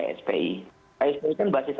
kspi kspi kan basis